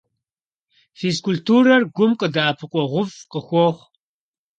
Физкультурэр гум дэӀэпыкъуэгъуфӀ къыхуохъу.